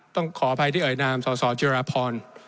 ขออภัยที่เอ่ยนามสสจิราพร